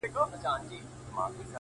دپاچا نزدېکت اور دئ.